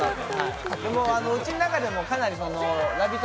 うちの中でも、かなりの「ラヴィット！」